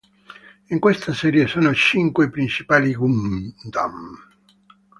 In questa serie sono cinque i principali Gundam.